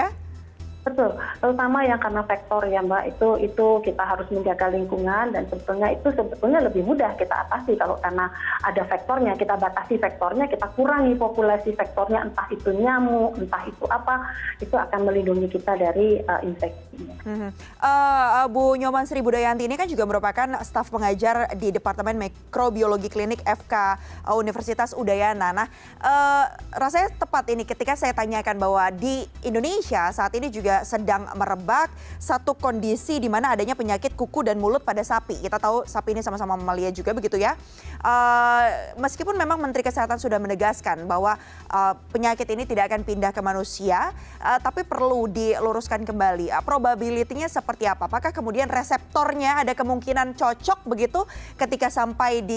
betul terutama yang karena faktor ya mbak itu kita harus menjaga lingkungan dan tentunya itu lebih mudah kita atasi kalau karena ada faktornya kita batasi faktornya kita kurangi populasi faktornya entah itu nyamuk entah itu apa itu akan melindungi kita dari infeksi